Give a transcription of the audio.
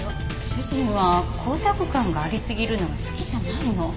主人は光沢感がありすぎるのは好きじゃないの。